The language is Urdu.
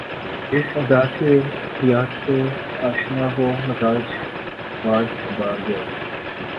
جس ادا سے یار تھے آشنا وہ مزاج باد صبا گیا